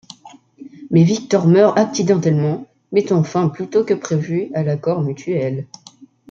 Mais Victor meurt accidentellement, mettant fin plus tôt que prévu à l'accord mutuel.